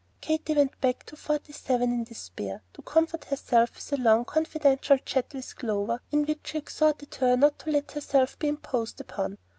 Katy went back to Forty seven in despair, to comfort herself with a long confidential chat with Clover in which she exhorted her not to let herself be imposed upon.